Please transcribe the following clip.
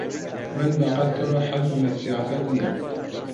من بەقەد تۆ حەزم لە سیاسەت نییە.